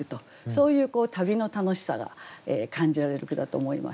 そういう旅の楽しさが感じられる句だと思いました。